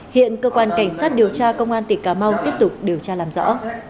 hiện cơ quan cảnh sát điều tra công an tỉnh cà mau tiếp tục điều tra làm rõ